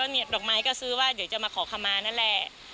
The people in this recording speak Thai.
เบียบดอกไม้ก็ซื้อว่าเดี๋ยวจะมาขอคำมานั่นแหละ